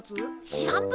しらんぷ！？